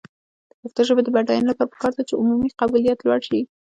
د پښتو ژبې د بډاینې لپاره پکار ده چې عمومي قبولیت لوړ شي.